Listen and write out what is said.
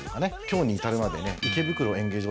今日に至るまでね